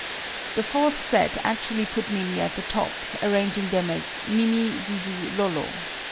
The fourth set actually put Mimi at the top, arranging them as "Mimi, Zuzu, Lolo."